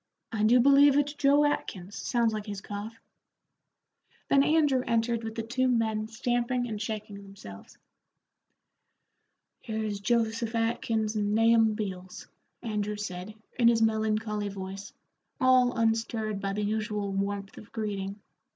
"I do believe it's Joe Atkins; sounds like his cough." Then Andrew entered with the two men stamping and shaking themselves. "Here's Joseph Atkins and Nahum Beals," Andrew said, in his melancholy voice, all unstirred by the usual warmth of greeting.